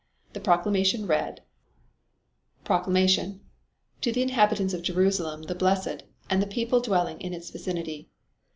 The proclamation read: PROCLAMATION To the Inhabitants of Jerusalem the Blessed and the People Dwelling in Its Vicinity.